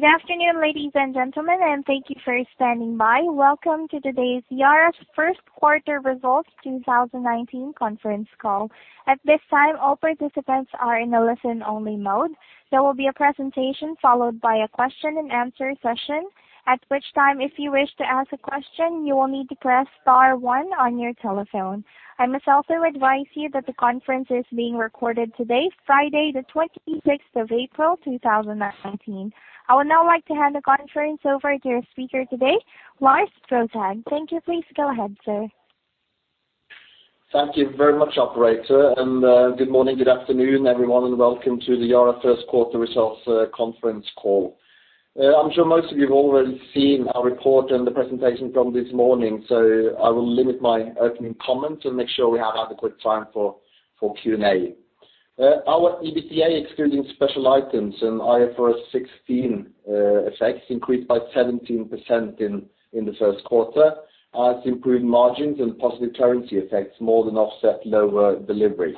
Good afternoon, ladies and gentlemen, and thank you for standing by. Welcome to today's Yara's First Quarter Results 2019 conference call. At this time, all participants are in a listen-only mode. There will be a presentation followed by a question and answer session, at which time, if you wish to ask a question, you will need to press star one on your telephone. I must also advise you that the conference is being recorded today, Friday the 26th of April, 2019. I would now like to hand the conference over to your speaker today, Lars Røsæg. Thank you. Please go ahead, sir. Thank you very much, operator. Good morning, good afternoon, everyone, and Welcome to the Yara First Quarter Results conference call. I am sure most of you have already seen our report and the presentation from this morning, so I will limit my opening comments and make sure we have adequate time for Q&A. Our EBITDA, excluding special items and IFRS 16 effects, increased by 17% in the first quarter as improved margins and positive currency effects more than offset lower deliveries.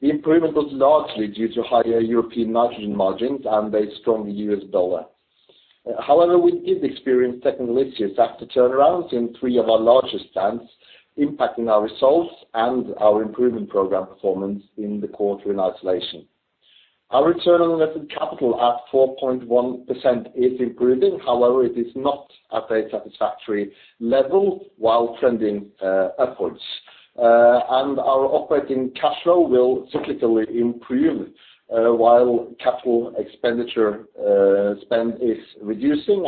The improvement was largely due to higher European nitrogen margins and a strong US dollar. We did experience technical issues after turnarounds in three of our largest plants, impacting our results and our improvement program performance in the quarter in isolation. Our return on invested capital at 4.1% is improving. It is not at a satisfactory level while trending upwards. Our operating cash flow will cyclically improve, while capital expenditure spend is reducing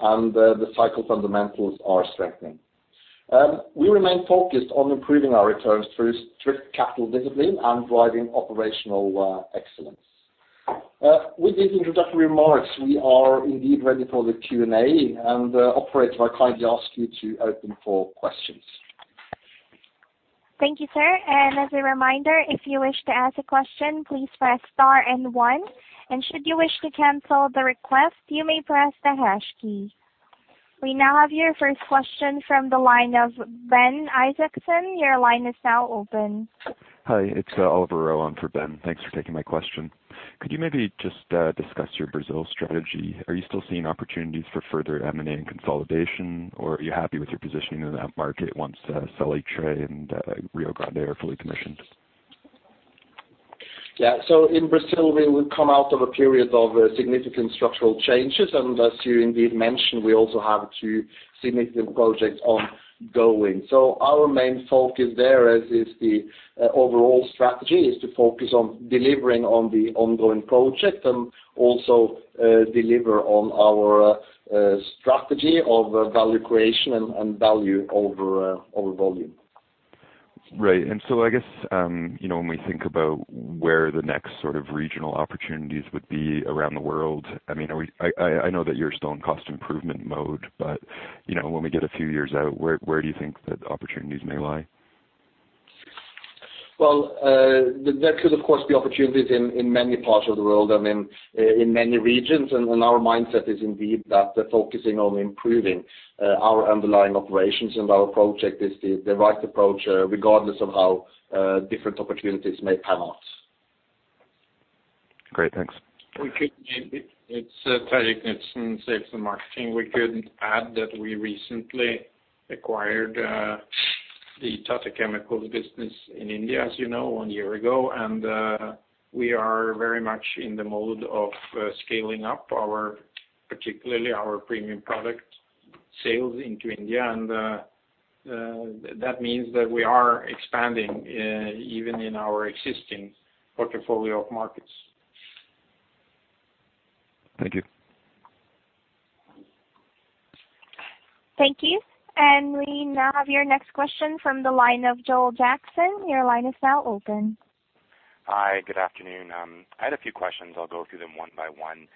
and the cycle fundamentals are strengthening. We remain focused on improving our returns through strict capital discipline and driving operational excellence. With these introductory remarks, we are indeed ready for the Q&A. Operator, I kindly ask you to open for questions. Thank you, sir. We now have your 1st question from the line of Ben Isaacson. Your line is now open. Hi, it's Oliver Rowe for Ben. Thanks for taking my question. Could you maybe just discuss your Brazil strategy? Are you still seeing opportunities for further M&A and consolidation, or are you happy with your positioning in that market once Salitre and Rio Grande are fully commissioned? Yeah. In Brazil, we would come out of a period of significant structural changes, as you indeed mentioned, we also have two significant projects ongoing. Our main focus there, as is the overall strategy, is to focus on delivering on the ongoing project and also deliver on our strategy of value creation and value over volume. Right. I guess, when we think about where the next sort of regional opportunities would be around the world, I know that you're still in cost improvement mode, when we get a few years out, where do you think that opportunities may lie? Well, there could, of course, be opportunities in many parts of the world, in many regions. Our mindset is indeed that focusing on improving our underlying operations and our project is the right approach, regardless of how different opportunities may pan out. Great. Thanks. It's Terje Knutsen, sales and marketing. We could add that we recently acquired the Tata Chemicals business in India, as you know, one year ago. We are very much in the mode of scaling up, particularly our premium product sales into India, and that means that we are expanding even in our existing portfolio of markets. Thank you. Thank you. We now have your next question from the line of Joel Jackson. Your line is now open. Hi, good afternoon. I had a few questions. I will go through them one by one.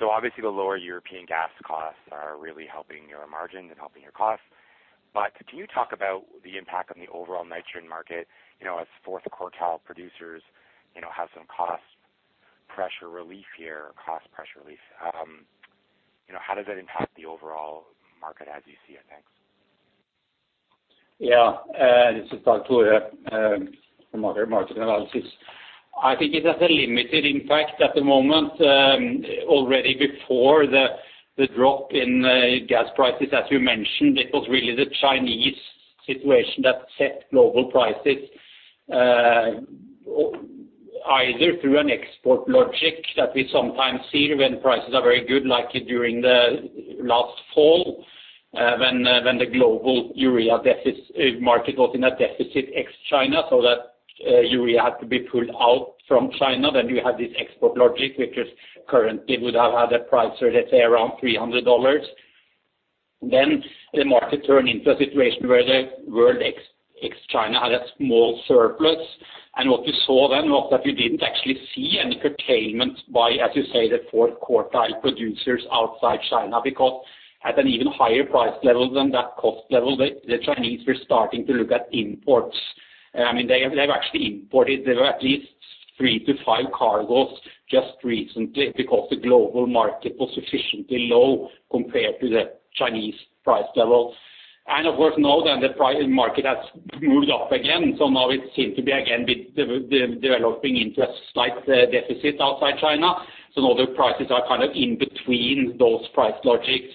Obviously the lower European gas costs are really helping your margins and helping your costs. Can you talk about the impact on the overall nitrogen market as fourth quartile producers have some cost pressure relief here? How does that impact the overall market as you see it? Thanks. Yeah. This is Terje Knutsen from our marketing analysis. I think it has a limited impact at the moment. Already before the drop in gas prices, as you mentioned, it was really the Chinese situation that set global prices, either through an export logic that we sometimes see when prices are very good, like during the last fall, when the global urea market was in a deficit ex-China, so that urea had to be pulled out from China. You have this export logic, which is currently would have had a price of, let's say, around $300. The market turned into a situation where the world ex-China had a small surplus. What you saw then was that you didn't actually see any curtailment by, as you say, the fourth quartile producers outside China, because at an even higher price level than that cost level, the Chinese were starting to look at imports. They have actually imported at least three to five cargos just recently because the global market was sufficiently low compared to the Chinese price levels. Of course, now that the private market has moved up again, it seems to be again developing into a slight deficit outside China. Now the prices are kind of in between those price logics.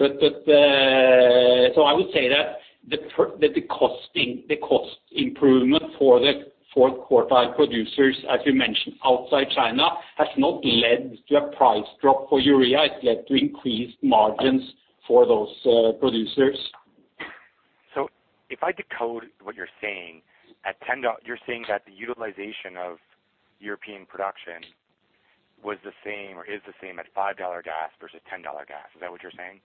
I would say that the cost improvement for the fourth quartile producers, as you mentioned, outside China, has not led to a price drop for urea. It's led to increased margins for those producers. If I decode what you're saying, you're saying that the utilization of European production was the same or is the same at NOK 5 gas versus NOK 10 gas. Is that what you're saying?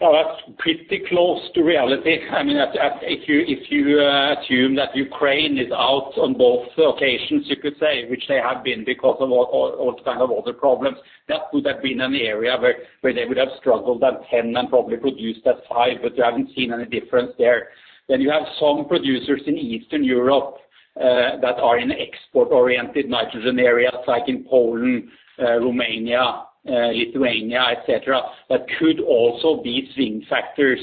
That's pretty close to reality. If you assume that Ukraine is out on both occasions, you could say, which they have been because of all kinds of other problems, that would have been an area where they would have struggled at 10 and probably produced at five, but you haven't seen any difference there. Then you have some producers in Eastern Europe that are in export-oriented nitrogen areas like in Poland, Romania, Lithuania, et cetera, that could also be swing factors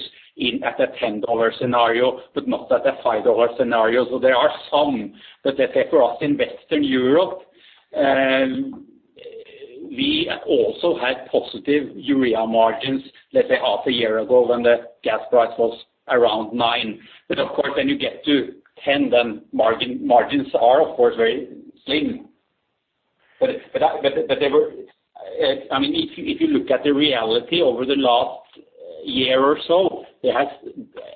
at a NOK 10 scenario, but not at a NOK five scenario. There are some, but let's say for us in Western Europe, we also had positive urea margins, let's say half a year ago when the gas price was around 9. Of course, when you get to 10, then margins are, of course, very slim. If you look at the reality over the last year or so,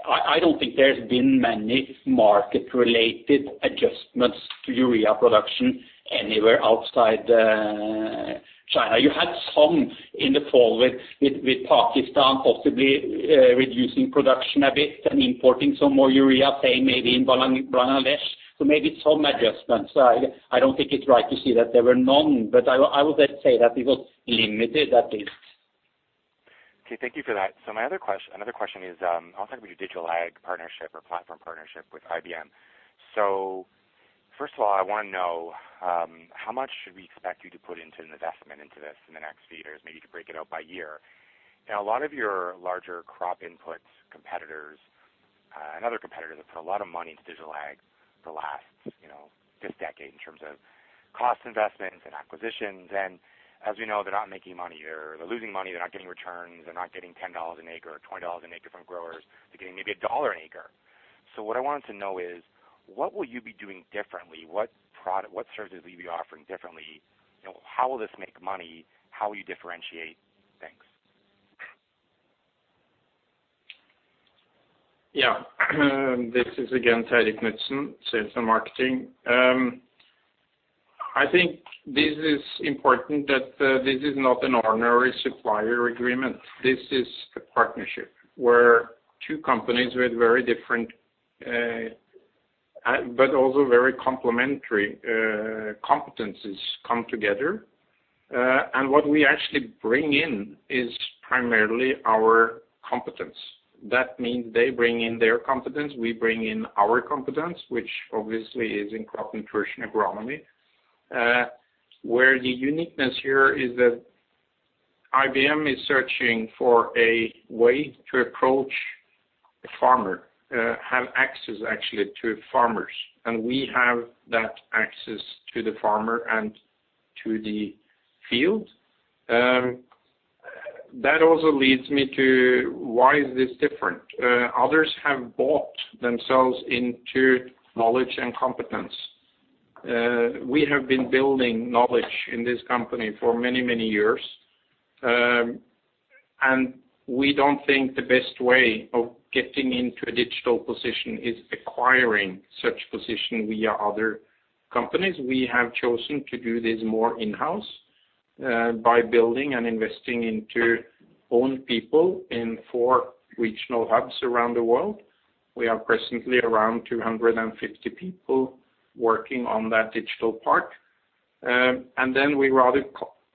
I don't think there's been many market-related adjustments to urea production anywhere outside China. You had some in the fall with Pakistan possibly reducing production a bit and importing some more urea, say maybe in Bangladesh. Maybe some adjustments. I don't think it's right to say that there were none, but I would say that it was limited, at least. Thank you for that. Another question is, I want to talk about your digital ag partnership or platform partnership with IBM. 1st of all, I want to know how much should we expect you to put into an investment into this in the next few years? Maybe you could break it out by year. A lot of your larger crop input competitors and other competitors have put a lot of money into digital ag for the last decade in terms of cost investments and acquisitions. As we know, they're not making money or they're losing money. They're not getting returns. They're not getting NOK 10 an acre or NOK 20 an acre from growers. They're getting maybe NOK one an acre. What I wanted to know is, what will you be doing differently? What services will you be offering differently? How will this make money? How will you differentiate things? Yeah. This is again, Terje Knutsen, sales and marketing. I think this is important that this is not an ordinary supplier agreement. This is a partnership where two companies with very different but also very complementary competencies come together. What we actually bring in is primarily our competence. That means they bring in their competence, we bring in our competence, which obviously is in crop nutrition agronomy. Where the uniqueness here is that IBM is searching for a way to approach a farmer, have access actually to farmers. We have that access to the farmer and to the field. That also leads me to why is this different? Others have bought themselves into knowledge and competence. We have been building knowledge in this company for many, many years. We don't think the best way of getting into a digital position is acquiring such position via other companies. We have chosen to do this more in-house by building and investing into own people in four regional hubs around the world. We are presently around 250 people working on that digital part. Then we rather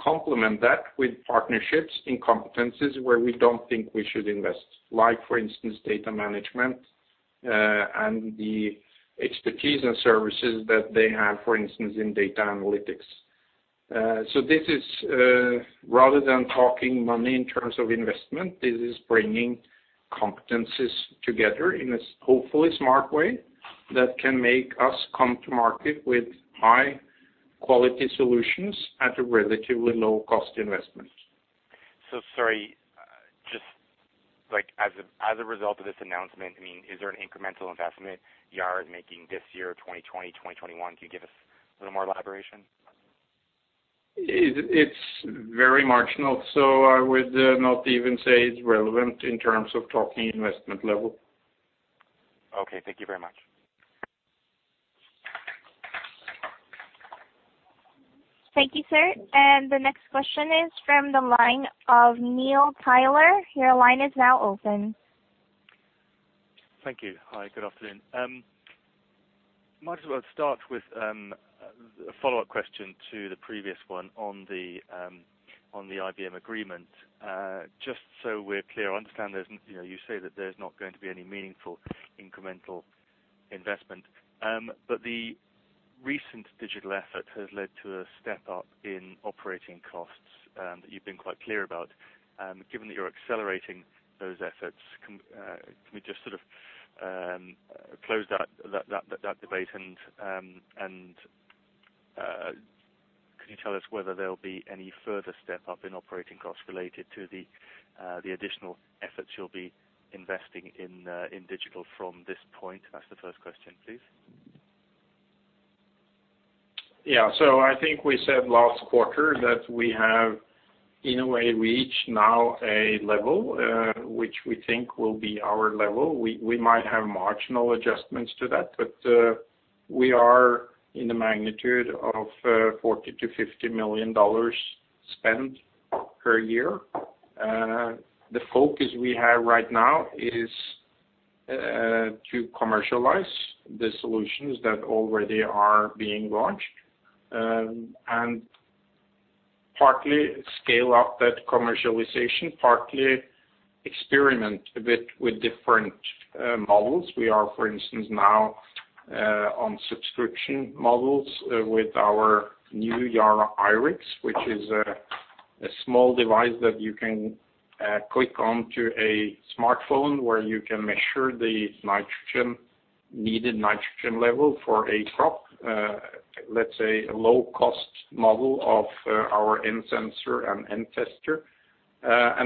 complement that with partnerships in competencies where we don't think we should invest, like for instance, data management and the expertise and services that they have, for instance, in data analytics. Rather than talking money in terms of investment, this is bringing competencies together in a hopefully smart way that can make us come to market with high-quality solutions at a relatively low-cost investment. Sorry, as a result of this announcement, is there an incremental investment Yara is making this year, 2020, 2021? Can you give us a little more elaboration on that? It's very marginal, I would not even say it's relevant in terms of talking investment level. Okay. Thank you very much. Thank you, sir. The next question is from the line of Neil Tyler. Your line is now open. Thank you. Hi, good afternoon. Might as well start with a follow-up question to the previous one on the IBM agreement. Just so we're clear, I understand you say that there's not going to be any meaningful incremental investment. The recent digital effort has led to a step up in operating costs that you've been quite clear about. Given that you're accelerating those efforts, can we just close that debate and can you tell us whether there'll be any further step up in operating costs related to the additional efforts you'll be investing in digital from this point? That's the 1st question, please. Yeah. I think we said last quarter that we have, in a way, reached now a level which we think will be our level. We might have marginal adjustments to that, but we are in the magnitude of NOK 40 million-NOK 50 million spend per year. The focus we have right now is to commercialize the solutions that already are being launched, and partly scale up that commercialization, partly experiment a bit with different models. We are, for instance, now on subscription models with our new YaraIrix, which is a small device that you can click onto a smartphone, where you can measure the needed nitrogen level for a crop. Let's say a low cost model of our N-Sensor and N-Tester.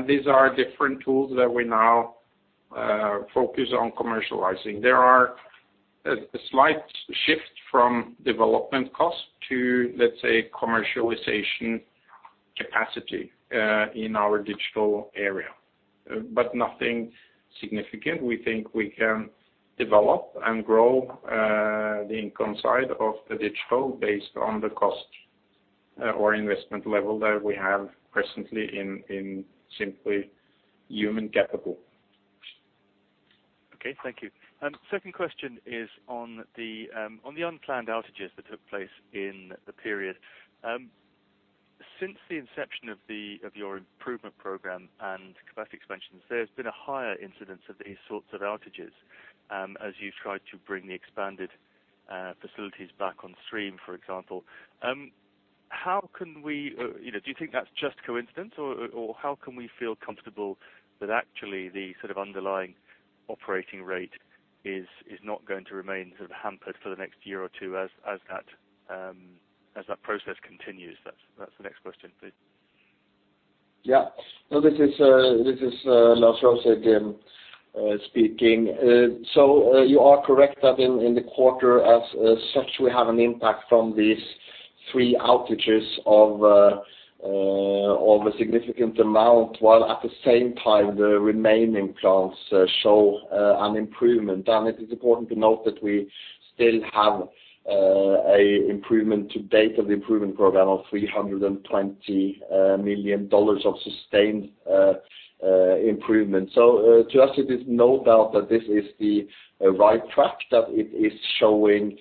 These are different tools that we now focus on commercializing. There are a slight shift from development cost to, let's say, commercialization capacity, in our digital area, but nothing significant. We think we can develop and grow the income side of the digital based on the cost or investment level that we have presently in simply human capital. Okay, thank you. 2nd question is on the unplanned outages that took place in the period. Since the inception of your improvement program and capacity expansions, there's been a higher incidence of these sorts of outages as you've tried to bring the expanded facilities back on stream, for example. Do you think that's just coincidence, or how can we feel comfortable that actually the underlying operating rate is not going to remain hampered for the next year or two as that process continues? That's the next question, please. This is Lars Røsæg speaking. You are correct that in the quarter as such, we have an impact from these three outages of a significant amount, while at the same time the remaining plants show an improvement. It is important to note that we still have a improvement to date of the improvement program of NOK 320 million of sustained improvement. To us, it is no doubt that this is the right track, that it is showing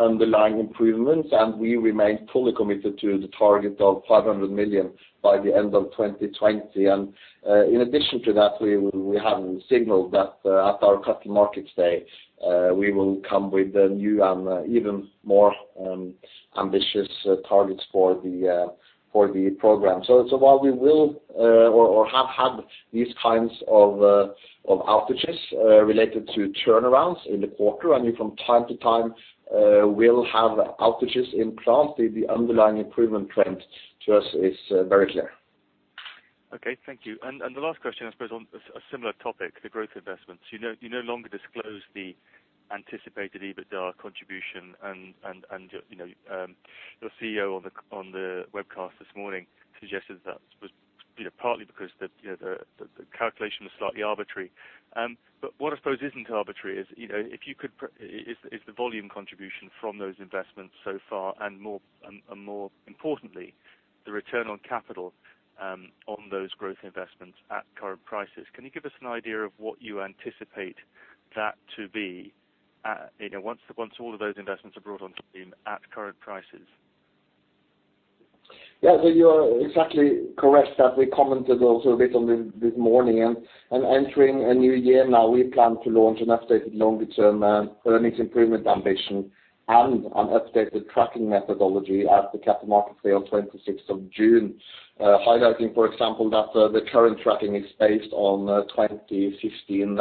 underlying improvements and we remain fully committed to the target of 500 million by the end of 2020. In addition to that, we have signaled that at our capital markets day we will come with new and even more ambitious targets for the program. While we will or have had these kinds of outages related to turnarounds in the quarter, I mean, from time to time we'll have outages in plant. The underlying improvement trend to us is very clear. Okay, thank you. The last question, I suppose on a similar topic, the growth investments. You no longer disclose the anticipated EBITDA contribution and your CEO on the webcast this morning suggested that was partly because the calculation was slightly arbitrary. What I suppose isn't arbitrary is the volume contribution from those investments so far and more importantly, the return on capital on those growth investments at current prices. Can you give us an idea of what you anticipate that to be once all of those investments are brought on stream at current prices? Yeah, you are exactly correct that we commented also a bit on this morning. Entering a new year now, we plan to launch an updated longer term earnings improvement ambition and an updated tracking methodology at the capital markets day on 26th of June. Highlighting, for example, that the current tracking is based on 2015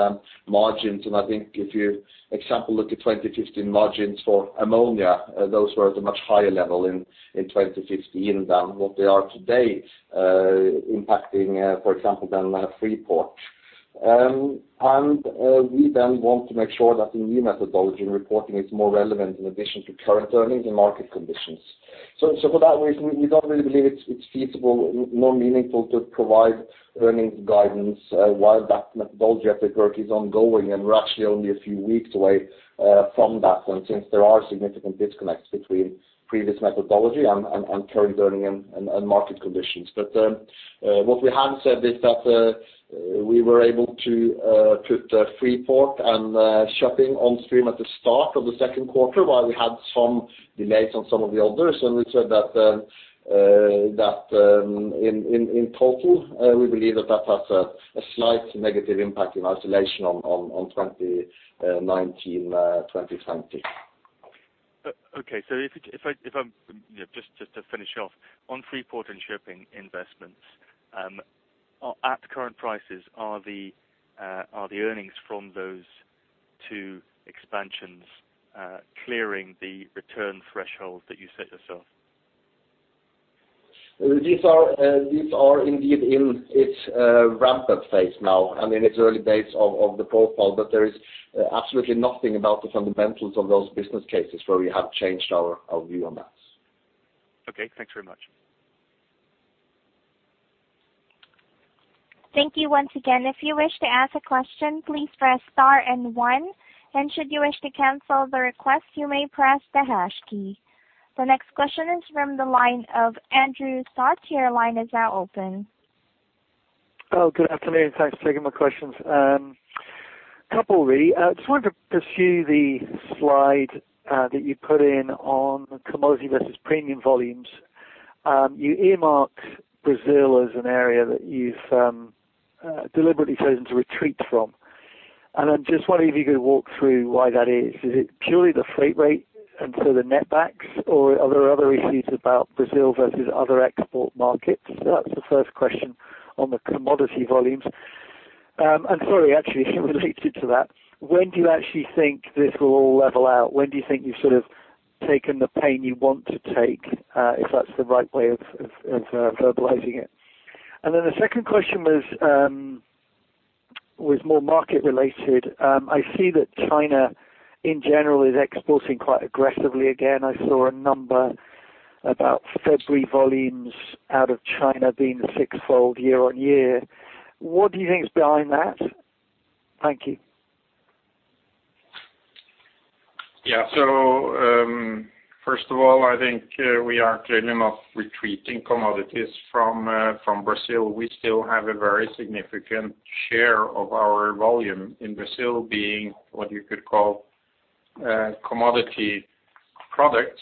margins. I think if you, example, look at 2015 margins for ammonia, those were at a much higher level in 2015 than what they are today, impacting, for example, Freeport. We then want to make sure that the new methodology and reporting is more relevant in addition to current earnings and market conditions. For that reason, we don't really believe it's feasible, more meaningful to provide earnings guidance while that methodology effort is ongoing. We're actually only a few weeks away from that one since there are significant disconnects between previous methodology and current earning and market conditions. What we have said is that we were able to put Freeport and Sluiskil on stream at the start of the second quarter while we had some delays on some of the others. We said that in total, we believe that has a slight negative impact in isolation on 2019, 2020. Okay. Just to finish off, on Freeport and shipping investments, at the current prices, are the earnings from those two expansions clearing the return threshold that you set yourself? These are indeed in its ramp-up phase now and in its early days of the profile. There is absolutely nothing about the fundamentals of those business cases where we have changed our view on that. Okay. Thanks very much. Thank you once again. If you wish to ask a question, please press star and one, and should you wish to cancel the request, you may press the hash key. The next question is from the line of Andrew Scott. Your line is now open. Good afternoon. Thanks for taking my questions. A couple, really. Just wanted to pursue the slide that you put in on commodity versus premium volumes. You earmarked Brazil as an area that you've deliberately chosen to retreat from. I just wonder if you could walk through why that is. Is it purely the freight rate and so the net backs, or are there other issues about Brazil versus other export markets? That's the 1st question on the commodity volumes. Sorry, actually, related to that, when do you actually think this will all level out? When do you think you've sort of taken the pain you want to take, if that's the right way of verbalizing it? The 2nd question was more market related. I see that China, in general, is exporting quite aggressively again. I saw a number about February volumes out of China being sixfold year-over-year. What do you think is behind that? Thank you. Yeah. First of all, I think we are clearly not retreating commodities from Brazil. We still have a very significant share of our volume in Brazil being what you could call commodity products,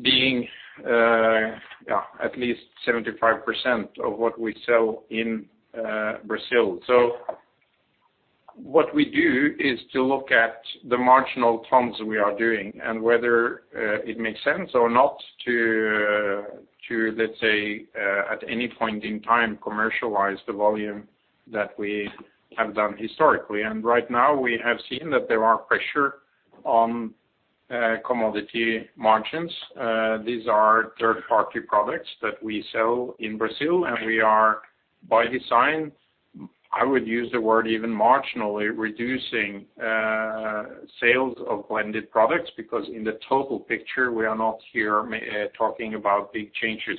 being at least 75% of what we sell in Brazil. What we do is to look at the marginal tons we are doing and whether it makes sense or not to, let's say, at any point in time, commercialize the volume that we have done historically. Right now we have seen that there are pressure on commodity margins. These are third-party products that we sell in Brazil, and we are, by design, I would use the word even marginally reducing sales of blended products, because in the total picture, we are not here talking about big changes.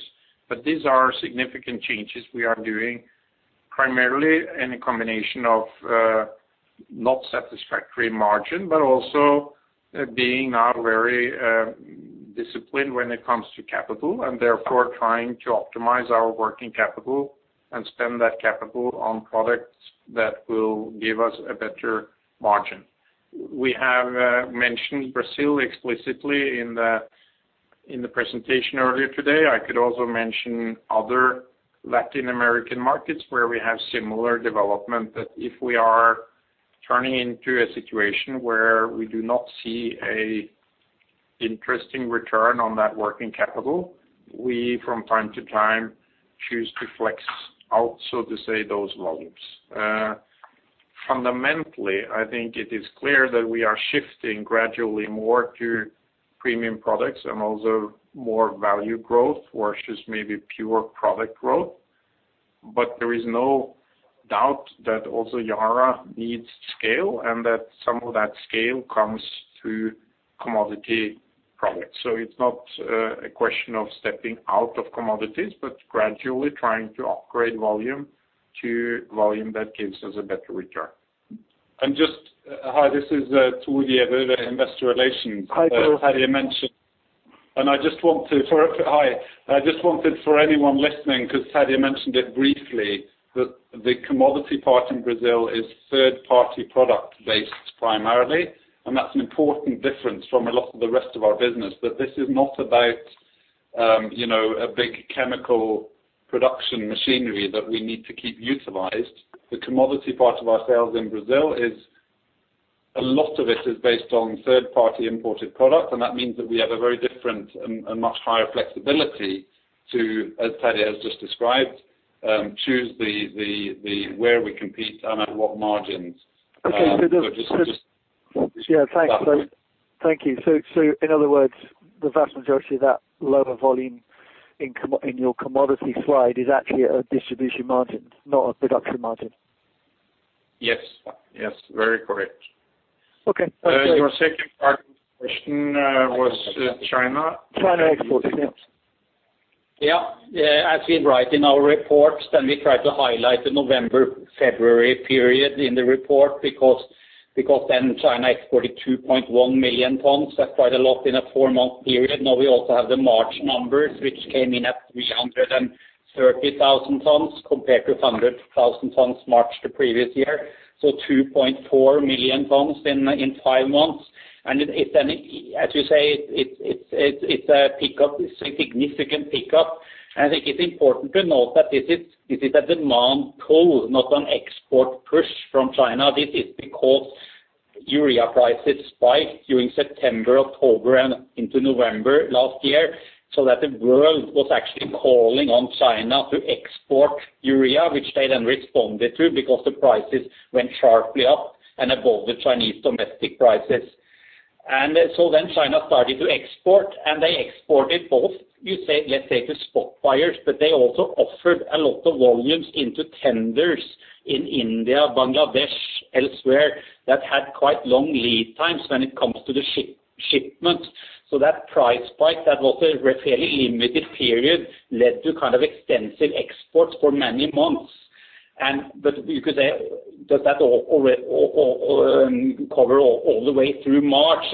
These are significant changes we are doing primarily in a combination of not satisfactory margin, but also being very disciplined when it comes to capital and therefore trying to optimize our working capital and spend that capital on products that will give us a better margin. We have mentioned Brazil explicitly in the presentation earlier today. I could also mention other Latin American markets where we have similar development, that if we are turning into a situation where we do not see an interesting return on that working capital, we, from time to time, choose to flex out, so to say, those volumes. Fundamentally, I think it is clear that we are shifting gradually more to premium products and also more value growth versus maybe pure product growth. There is no doubt that also Yara needs scale and that some of that scale comes through commodity products. It's not a question of stepping out of commodities, but gradually trying to upgrade volume to volume that gives us a better return. Hi, this is Thor Giæver, investor relations. Hi, Thor. I just wanted for anyone listening, because Terje mentioned it briefly, that the commodity part in Brazil is third-party product based primarily, that's an important difference from a lot of the rest of our business, that this is not about a big chemical production machinery that we need to keep utilized. The commodity part of our sales in Brazil, a lot of it is based on third-party imported product, that means that we have a very different and much higher flexibility to, as Terje has just described, choose where we compete and at what margins. Okay. Yeah, thanks. Thank you. In other words, the vast majority of that lower volume in your commodity slide is actually a distribution margin, not a production margin. Yes. Very correct. Okay. Your 2nd part question was China? China exporting, yes. Yeah. As we write in our reports, and we try to highlight the November, February period in the report, because then China exported 2.1 million tons. That's quite a lot in a four-month period. Now we also have the March numbers, which came in at 330,000 tons compared to 100,000 tons March the previous year. So 2.4 million tons in five months. As you say, it's a significant pickup. I think it's important to note that this is a demand pull, not an export push from China. This is because urea prices spiked during September, October, and into November last year, so that the world was actually calling on China to export urea, which they then responded to because the prices went sharply up and above the Chinese domestic prices. China started to export, and they exported both, let's say, to spot buyers, but they also offered a lot of volumes into tenders in India, Bangladesh, elsewhere, that had quite long lead times when it comes to the shipment. That price spike, that was a fairly limited period, led to kind of extensive exports for many months. You could say, does that all cover all the way through March?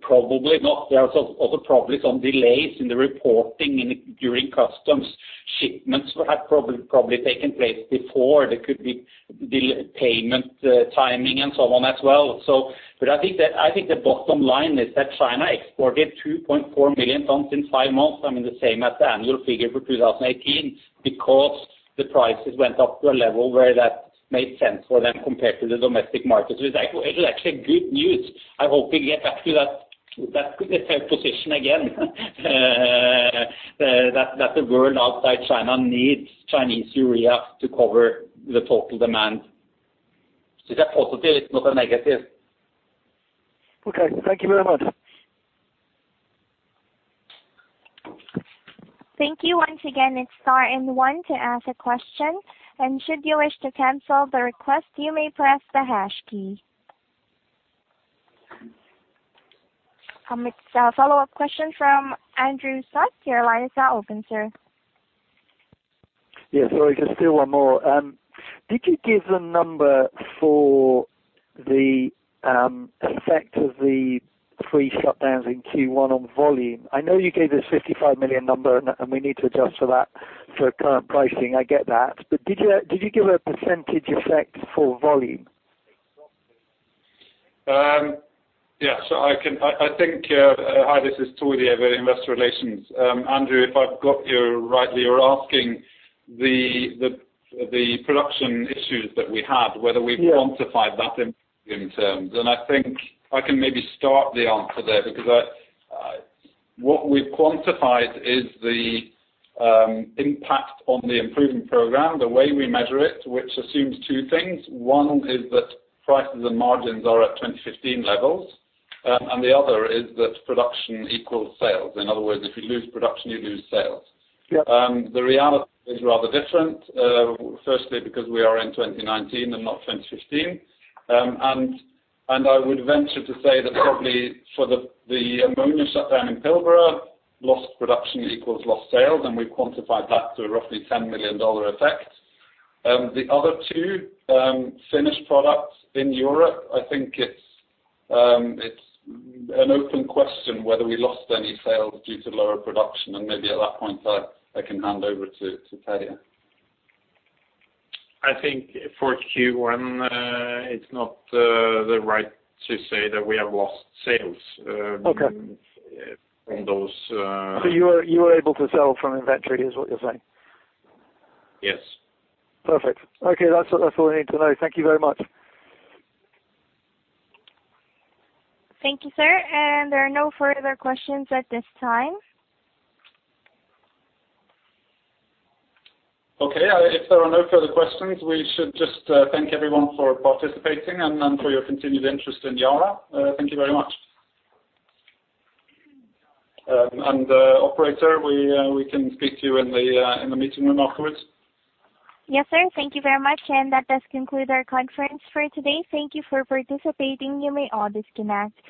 Probably not. There are also probably some delays in the reporting during customs. Shipments have probably taken place before. There could be payment timing and so on as well. I think the bottom line is that China exported 2.4 million tons in five months, the same as the annual figure for 2018, because the prices went up to a level where that made sense for them compared to the domestic market. It's actually good news. I'm hoping to get back to that position again. That the world outside China needs Chinese urea to cover the total demand. It's a positive, it's not a negative. Okay. Thank you very much. Thank you once again. To ask a question, press star one, and should you wish to cancel the request, you may press the hash key. It's a follow-up question from Andrew Scott. Your line is now open, sir. Yeah, sorry, just still one more. Did you give a number for the effect of the three shutdowns in Q1 on volume? I know you gave this 55 million number, and we need to adjust for that for current pricing. I get that. Did you give a percentage effect for volume? Yeah. Hi, this is Thor, the Head of Investor Relations. Andrew, if I've got you rightly, you're asking the production issues that we had, whether we've quantified that in terms. Yeah I think I can maybe start the answer there, because what we've quantified is the impact on the improvement program, the way we measure it, which assumes two things. One is that prices and margins are at 2015 levels, and the other is that production equals sales. In other words, if you lose production, you lose sales. Yeah. The reality is rather different, firstly because we are in 2019 and not 2015. I would venture to say that probably for the ammonia shutdown in Pilbara, lost production equals lost sales, and we've quantified that to a roughly NOK 10 million effect. The other two finished products in Europe, I think it's an open question whether we lost any sales due to lower production and maybe at that point I can hand over to Terje. I think for Q1, it's not right to say that we have lost sales. Okay from those- You were able to sell from inventory is what you're saying? Yes. Perfect. Okay. That's all I need to know. Thank you very much. Thank you, sir. There are no further questions at this time. Okay. If there are no further questions, we should just thank everyone for participating and for your continued interest in Yara. Thank you very much. Operator, we can speak to you in the meeting room afterwards. Yes, sir. Thank you very much. That does conclude our conference for today. Thank you for participating. You may all disconnect.